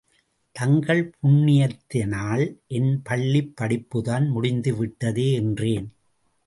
தங்கள் புண்ணியத்தினால் என் பள்ளிப் படிப்புத்தான் முடிந்து விட்டதே? என்றேன்.